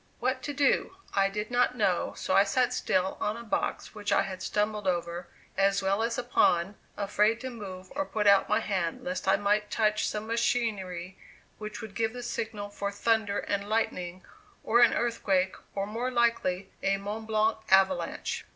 What to do, I did not know, so I sat still on a box which I had stumbled over, as well as upon, afraid to move or put out my hand lest I might touch some machinery which would give the signal for thunder and lightning, or an earthquake, or more likely, a Mont Blanc avalanche.